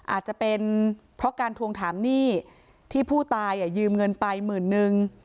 อาจจะเป็นเพราะการทวงถามหนี้ที่ผู้ตายยืมเงินไปหมื่นนึง